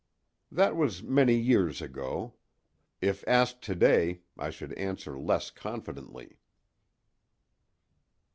That was many years ago. If asked to day I should answer less confidently.